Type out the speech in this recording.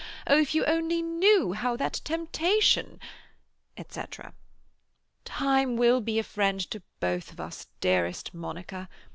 Oh, if you knew how that temptation"—etc. "Time will be a friend to both of us, dearest Monica.